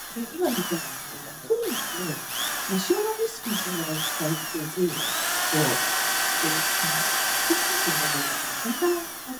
The tires left a muddy gash in the roadside moss.